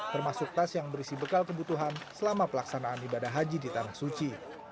termasuk tas yang berisi bekal kebutuhan selama pelaksanaan ibadah haji di tanah suci